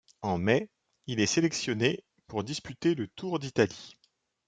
En mai, il est sélectionné pour disputer le Tour d'Italie.